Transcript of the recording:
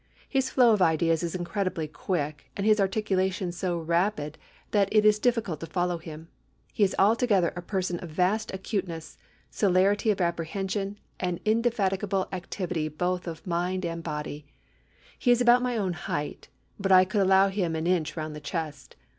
His flow of ideas is incredibly quick, and his articulation so rapid, that it is difficult to follow him. He is altogether a person of vast acuteness, celerity of apprehension, and indefatigable activity both of body and mind. His is about my own height; but I could allow him an inch round the chest.